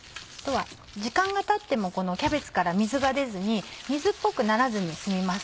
時間がたってもこのキャベツから水が出ずに水っぽくならずに済みます。